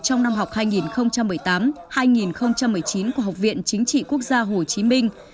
trong năm học hai nghìn một mươi tám hai nghìn một mươi chín của học viện chính trị quốc gia hồ chí minh